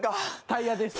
タイヤです。